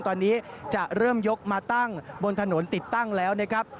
ตอนนี้จะเริ่มยกมาตั้งบนถนนติดตั้งแล้วนะครับ